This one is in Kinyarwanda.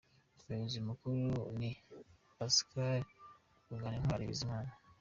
Umuyobozi mukuru ni Pascal Ruganintwali Bizimana